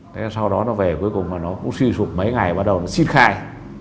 thế sau đó nó về cuối cùng mà nó cũng suy sụp mấy ngày bắt đầu nó xin khai